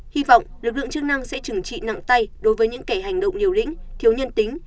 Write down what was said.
hy vọng lực lượng chức năng sẽ trừng trị nặng tay đối với những kẻ hành động liều lĩnh thiếu nhân tính